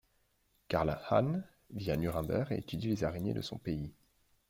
Carl Hahn vit à Nuremberg et étudie les araignées de son pays.